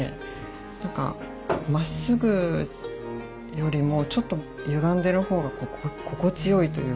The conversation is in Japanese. なんかまっすぐよりもちょっとゆがんでるほうがこう心地よいというか。